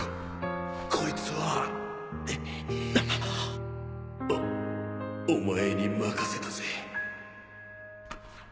ここいつはおお前に任せたぜあっ。